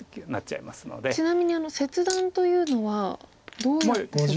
ちなみに切断というのはどういう手筋。